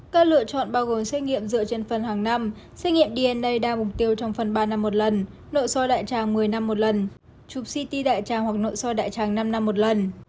các lựa chọn bao gồm xét nghiệm dựa trên phân hàng năm xét nghiệm dna đa mục tiêu trong phân ba năm một lần nội soi đại trang một mươi năm một lần chụp ct đại trang hoặc nội soi đại trang năm năm một lần